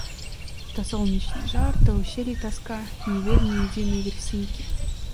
То солнечный жар, то ущелий тоска, — не верь ни единой версийке.